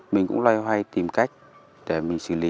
mình cũng loay hoay tìm cách để mình xử lý